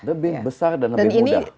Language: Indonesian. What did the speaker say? lebih besar dan lebih mudah